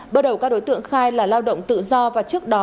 bước đầu các đối tượng khai là lao động tự do và trước đó